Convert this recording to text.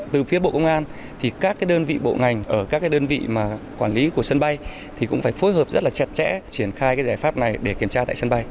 từ phía bộ công an thì các đơn vị bộ ngành ở các đơn vị quản lý của sân bay thì cũng phải phối hợp rất là chặt chẽ triển khai cái giải pháp này để kiểm tra tại sân bay